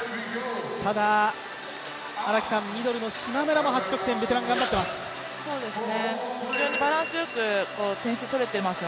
ただミドルの島村も８得点、ベテラン頑張ってます。